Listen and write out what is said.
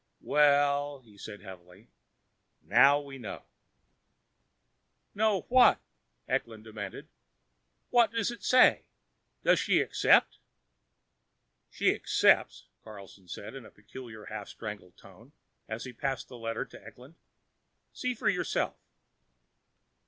"Well," he said heavily, "now we know." "Know what?" Eklund demanded. "What does it say? Does she accept?" "She accepts," Christianson said in a peculiar half strangled tone as he passed the letter to Eklund. "See for yourself."